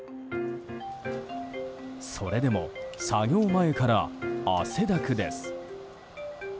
それでも作業前から汗だくです。